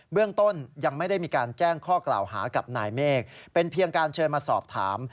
เรื่องต้นยังไม่ได้มีการแจ้งข้อกล่าวหากับนายเมฆเป็นเพียงการเชิญมาสอบถาม